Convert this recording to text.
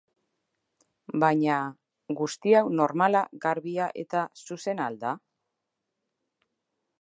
Baina... guzti hau normala, garbia eta zuzena al da?